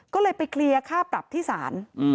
ก็เลยไปเคลียร์ค่าปรับที่ศาล